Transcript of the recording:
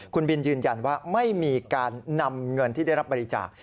คุณบินยืนยันว่าไม่มีการนำเงินที่ได้รับบริจาค